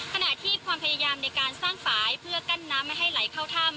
ขณะที่ความพยายามในการสร้างฝ่ายเพื่อกั้นน้ำไม่ให้ไหลเข้าถ้ำ